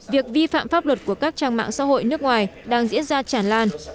việc vi phạm pháp luật của các trang mạng xã hội nước ngoài đang diễn ra tràn lan